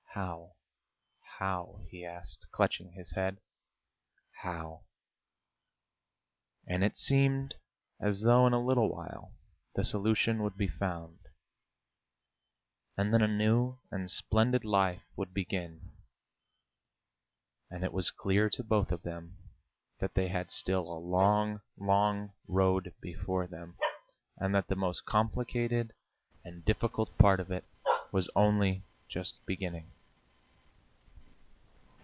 "How? How?" he asked, clutching his head. "How?" And it seemed as though in a little while the solution would be found, and then a new and splendid life would begin; and it was clear to both of them that they had still a long, long road before them, and that the most complicated and difficult part of it was only just beginning.